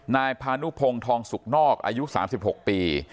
นายพานุพงศ์ทองสุกนอกอายุ๓๖ปี